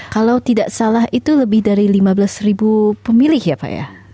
kalau tidak salah itu lebih dari lima belas ribu pemilih ya pak ya